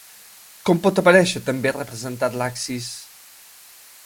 Com pot aparèixer també representat l'axis?